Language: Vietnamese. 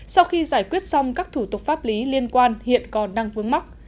sau khi giải quyết xong các thủ tục pháp lý liên quan hiện còn đang vướng mắt